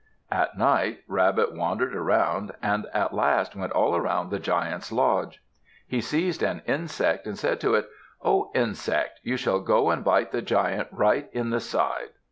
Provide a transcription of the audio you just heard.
At night Rabbit wandered around, and at last went all around the Giant's lodge. He seized an insect and said to it, "Oh, insect! You shall go and bite the Giant right in the side."